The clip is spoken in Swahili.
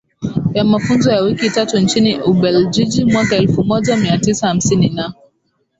ya mafunzo ya wiki tatu nchini Ubeljiji mwaka elfu moja mia tisa hamsini na